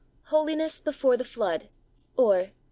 Holiness Before the Flood; or.